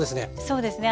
そうですね。